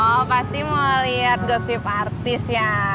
oh pasti mau lihat gosip artis ya